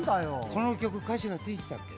この曲歌詞がついてたっけ？